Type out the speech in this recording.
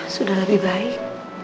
sudah lebih baik